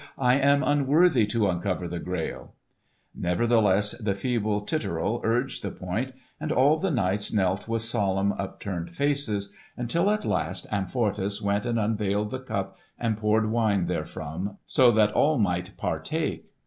I am unworthy to uncover the Grail!" Nevertheless the feeble Titurel urged the point, and all the knights knelt with solemn upturned faces, until at last Amfortas went and unveiled the Cup and poured wine therefrom, so that all might partake.